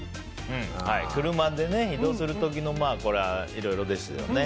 車で移動する時のいろいろですよね。